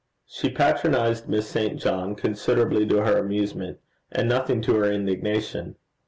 She patronized Miss St. John, considerably to her amusement, and nothing to her indignation.